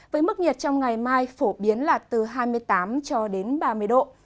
với mức nhiệt trong ngày mai phổ biến là từ hai mươi tám cho đến ba mươi độ